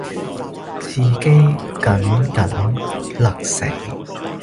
自己緊緊勒死；